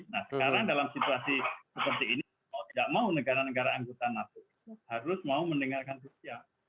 nah sekarang dalam situasi seperti ini mau tidak mau negara negara anggota nato harus mau mendengarkan rusia